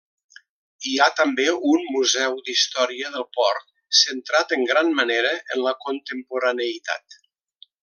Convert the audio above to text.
Hi ha també un Museu d'història del port, centrat en gran manera en la contemporaneïtat.